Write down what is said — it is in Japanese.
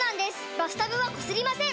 バスタブはこすりません！